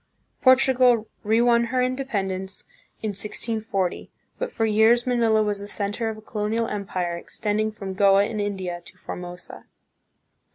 Portu gal re won her independence in 1640, but for years Manila was the center of a colonial empire, extending from Goa in India to Formosa.